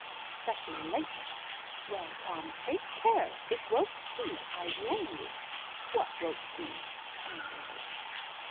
"Especially lately. Well, Tom, take care! it won't do. I warn you." "What won't do?" angrily.